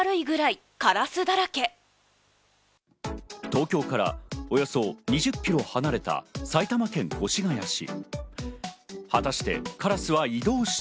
東京からおよそ２０キロ離れた埼玉県越谷市。